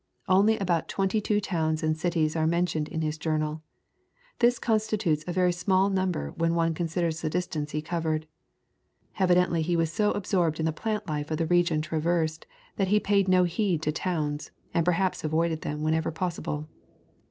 Only about twenty two towns and cities are mentioned in his journal. This constitutes a very small number when one considers the distance he covered. Evidently he was so ab sorbed in the plant life of the region traversed that he paid no heed to towns, and perhaps avoided them wherever possible.